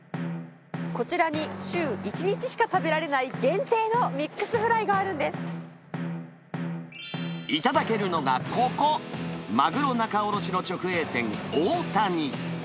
こちらに週１日しか食べられない限定のミックスフライがある頂けるのがここ、マグロ仲卸の直営店、大谷。